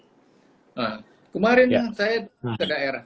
nah kemarin saya ke daerah